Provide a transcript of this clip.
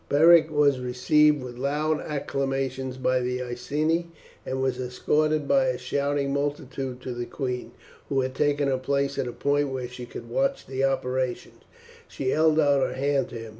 Beric was received with loud acclamations by the Iceni, and was escorted by a shouting multitude to the queen, who had taken her place at a point where she could watch the operations. She held out her hand to him.